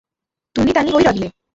ତୁନି ତାନି ହୋଇ ରହିଲେ ।